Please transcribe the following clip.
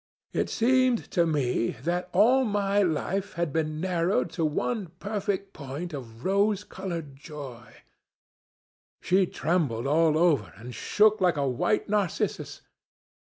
It seemed to me that all my life had been narrowed to one perfect point of rose coloured joy. She trembled all over and shook like a white narcissus.